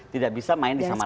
tidak bisa main di sama lain